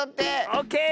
オッケー！